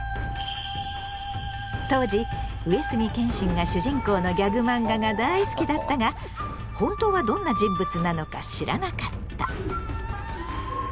当時上杉謙信が主人公のギャグマンガが大好きだったが本当はどんな人物なのか知らなかった。